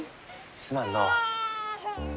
すまんのう。